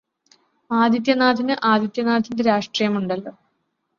ആദിത്യനാഥിന് ആദിത്യനാഥിന്റെ രാഷ്ട്രീയമുണ്ടല്ലോ.